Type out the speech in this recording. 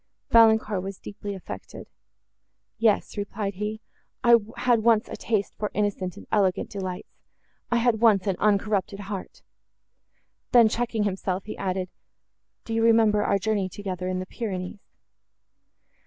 Valancourt was deeply affected. "Yes," replied he, "I had once a taste for innocent and elegant delights—I had once an uncorrupted heart." Then, checking himself, he added, "Do you remember our journey together in the Pyrenees?"